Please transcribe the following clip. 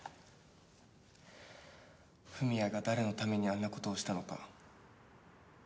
史也が誰のためにあんなことをしたのか。